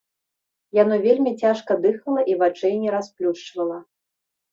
Яно вельмі цяжка дыхала і вачэй не расплюшчвала.